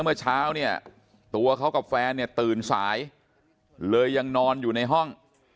เมื่อเช้าเนี่ยตัวเขากับแฟนเนี่ยตื่นสายเลยยังนอนอยู่ในห้อง